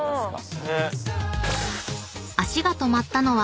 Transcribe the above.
［足が止まったのは］